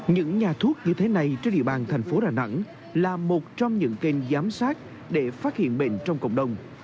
những nhà thuốc như thế này trên địa bàn thành phố đà nẵng là một trong những kênh giám sát để phát hiện bệnh trong cộng đồng